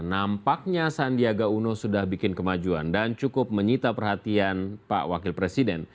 nampaknya sandiaga uno sudah bikin kemajuan dan cukup menyita perhatian pak wakil presiden